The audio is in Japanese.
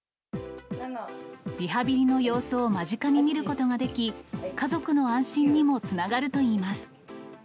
リハビリの様子を間近に見ることができ、家族の安心にもつながるといいます。